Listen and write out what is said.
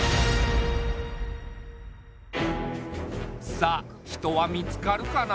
さあ人は見つかるかな？